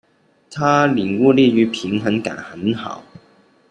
他領悟力與平衡感很好